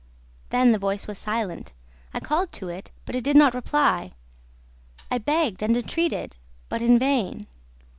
Then the voice was silent. I called to it, but it did not reply; I begged and entreated, but in vain.